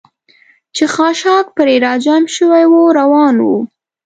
چې خاشاک پرې را جمع شوي و، روان ووم.